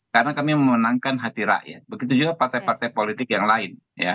karena kami memenangkan hati rakyat begitu juga partai partai politik yang lain